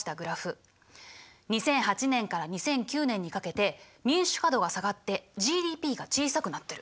２００８年から２００９年にかけて民主化度が下がってＧＤＰが小さくなってる。